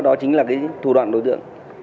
đó chính là thủ đoạn đối tượng